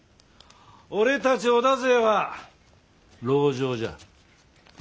俺たち織田勢は籠城じゃ。